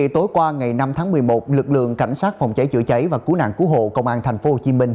tối qua ngày năm tháng một mươi một lực lượng cảnh sát phòng cháy chữa cháy và cứu nạn cứu hộ công an tp hcm